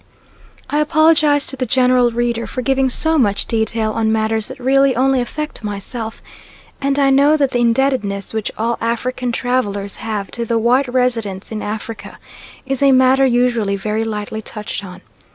I apologise to the general reader for giving so much detail on matters that really only affect myself, and I know that the indebtedness which all African travellers have to the white residents in Africa is a matter usually very lightly touched on.